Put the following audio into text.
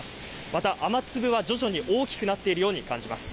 また、雨粒は徐々に大きくなっているように感じます。